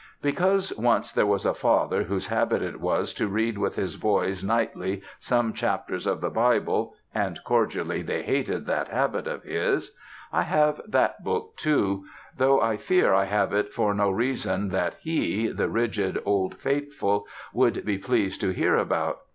Because once there was a father whose habit it was to read with his boys nightly some chapters of the Bible and cordially they hated that habit of his I have that Book too; though I fear I have it for no reason that he, the rigid old faithful, would be pleased to hear about.